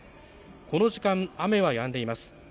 この時間、雨はやんでいます。